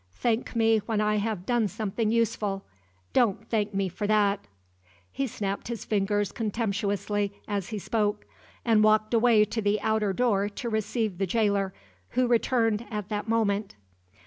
Thank me when I have done something useful. Don't thank me for that!" He snapped his fingers contemptuously as he spoke, and walked away to the outer door to receive the jailer, who returned at that moment.